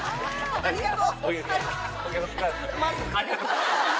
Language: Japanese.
ありがとう。